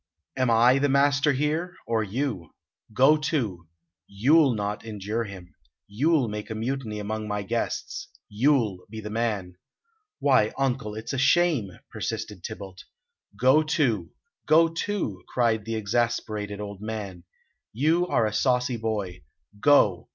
Am I the master here, or you? Go to! You'll not endure him! You'll make a mutiny among my guests! You'll be the man!" "Why, uncle, it's a shame," persisted Tybalt. "Go to go to!" cried the exasperated old man. "You are a saucy boy! Go!